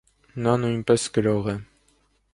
Նա նույնպես գրող է։